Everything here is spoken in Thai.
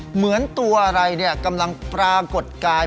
เหมือนตัวอะไรกำลังปรากฎกาย